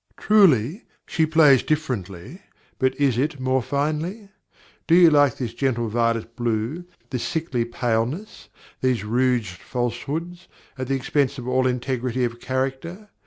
Truly, she plays differently; but is it more finely? Do you like this gentle violet blue, this sickly paleness, these rouged falsehoods, at the expense of all integrity of character?